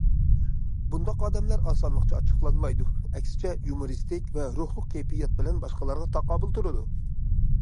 بۇنداق ئادەملەر ئاسانلىقچە ئاچچىقلانمايدۇ، ئەكسىچە يۇمۇرىستىك ۋە روھلۇق كەيپىيات بىلەن باشقىلارغا تاقابىل تۇرىدۇ.